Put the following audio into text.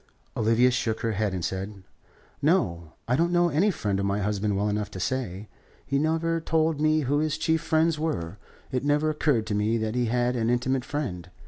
Olivia shook her head, and said: "No. I don't know any friend of my husband well enough to say. He never told me who his chief friends were. It never occurred to me that he had an intimate friend.